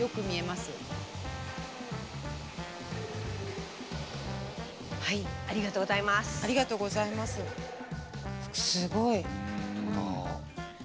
すごい！